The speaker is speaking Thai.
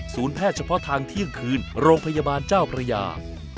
แพทย์เฉพาะทางเที่ยงคืนโรงพยาบาลเจ้าพระยา